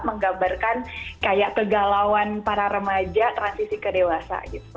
menggambarkan kayak kegalauan para remaja transisi ke dewasa gitu